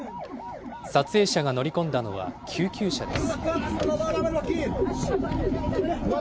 撮影者が乗り込んだのは救急車です。